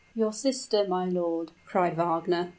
"Your sister, my lord!" cried Wagner.